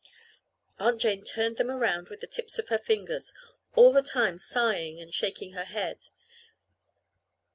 Aunt Jane turned them around with the tips of her fingers, all the time sighing and shaking her head.